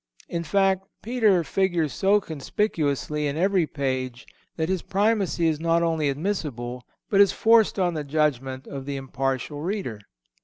In fact Peter figures so conspicuously in every page that his Primacy is not only admissible, but is forced on the judgment of the impartial reader.